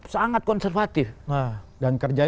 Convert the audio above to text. sangat konservatif dan kerja